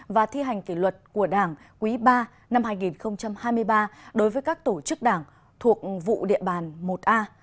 và thi hành kỷ luật của đảng quý ba năm hai nghìn hai mươi ba đối với các tổ chức đảng thuộc vụ địa bàn một a